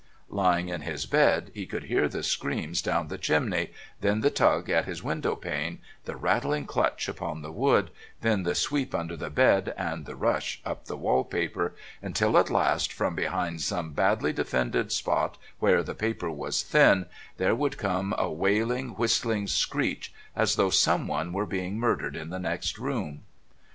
Lying in his bed he could hear the screams down the chimney, then the tug at his window pane, the rattling clutch upon the wood, then the sweep under the bed and the rush up the wallpaper, until at last, from behind some badly defended spot where the paper was thin, there would come a wailing, whistling screech as though someone were being murdered in the next room.